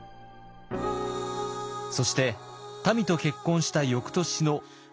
そしてたみと結婚した翌年の宝暦１３年。